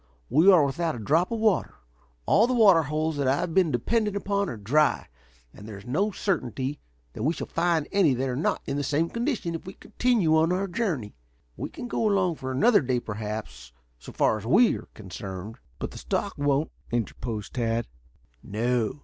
We are without a drop of water. All the water holes that I have been depending upon are dry and there is no certainty that we shall find any that are not in the same condition if we continue on our journey. We can go along for another day, perhaps, so far as we are concerned." "But the stock won't," interposed Tad. "No."